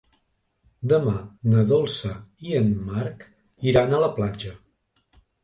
Demà na Dolça i en Marc iran a la platja.